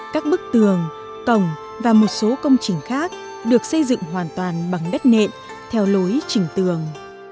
các bức tường cổng và một số công trình khác được xây dựng hoàn toàn bằng đất nện theo lối trình tường